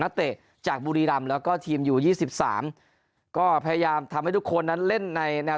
นาเตต์จากแล้วก็ทีมอยู่ยี่สิบสามก็พยายามทำให้ทุกคนนั้นเล่นในแนว